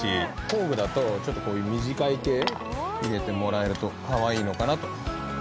工具だと、ちょっとこういう短い系を入れてもらえるとかわいいのかなと。